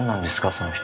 その人